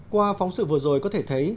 qua phóng sự vừa rồi có thể thấy